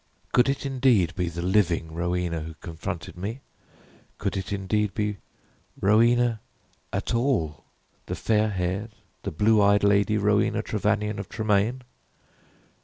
Could it, indeed, be the living Rowena who confronted me? Could it, indeed, be Rowena at all the fair haired, the blue eyed Lady Rowena Trevanion of Tremaine?